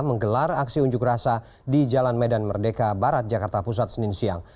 menggelar aksi unjuk rasa di jalan medan merdeka barat jakarta pusat senin siang